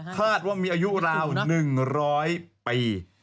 คาดว่ามีอายุราว๑๐๐ปี